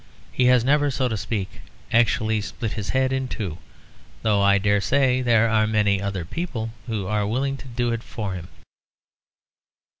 He has never, so to speak, actually split his head in two; though I daresay there are many other people who are willing to do it for him.